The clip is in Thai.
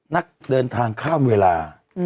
นักเดินทางข้ามเวลา